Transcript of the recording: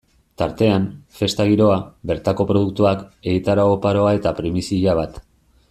Tartean, festa giroa, bertako produktuak, egitarau oparoa eta primizia bat.